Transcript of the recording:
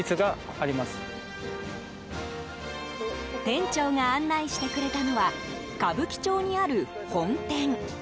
店長が案内してくれたのは歌舞伎町にある本店。